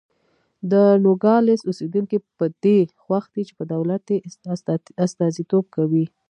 د نوګالس اوسېدونکي په دې خوښ دي چې دولت یې استازیتوب کوي.